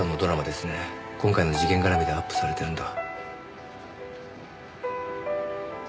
今回の事件絡みでアップされてるんだ。